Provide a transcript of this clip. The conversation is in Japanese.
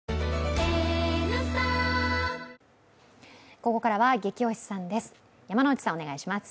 ここからは「ゲキ推しさん」です。